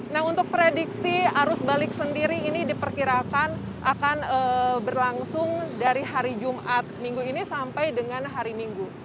nah untuk prediksi arus balik sendiri ini diperkirakan akan berlangsung dari hari jumat minggu ini sampai dengan hari minggu